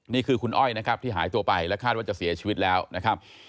นี่คือคุณอ้อยนะครับที่หายตัวไปและคาดว่าจะเสียชีวิตแล้วนะครับ